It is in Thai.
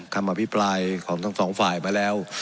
คำอภิปรายของทั้งสองฝ่ายมาแล้ว